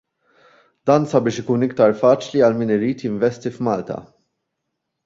Dan sabiex ikun iktar faċli għal min irid jinvesti f'Malta.